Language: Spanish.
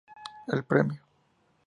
El premio".